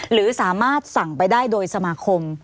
หรือสามารถสั่งไปได้โดยสมาคม